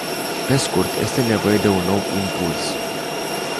Pe scurt, este nevoie de un nou impuls.